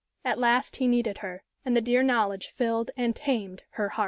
At last he needed her, and the dear knowledge filled and tamed her heart.